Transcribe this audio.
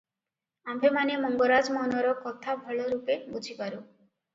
ଆମ୍ଭେମାନେ ମଙ୍ଗରାଜ ମନର କଥା ଭଲରୂପେ ବୁଝିପାରୁ ।